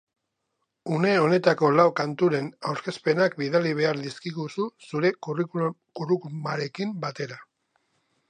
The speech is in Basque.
Une honetako lau kanturen aurkezpenak bidali behar dizkiguzu zure curriculumarekin batera.